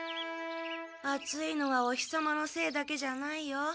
暑いのはお日様のせいだけじゃないよ。